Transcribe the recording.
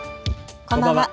こんばんは。